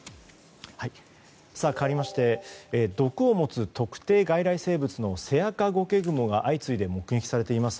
かわりまして毒を持つ特定外来生物のセアカゴケグモが相次いで目撃されています。